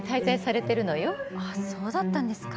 ああそうだったんですか。